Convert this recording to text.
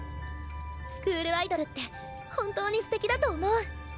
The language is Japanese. スクールアイドルって本当にステキだと思う。